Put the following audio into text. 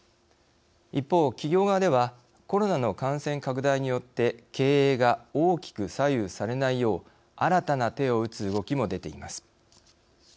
一方、企業側ではコロナの感染拡大によって経営が大きく左右されないよう新たな手を打つ動きも出ています。